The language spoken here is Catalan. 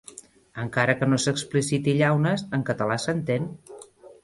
Encara que no s'expliciti llaunes, en català s'entén.